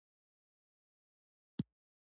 دويم درېيم څلورم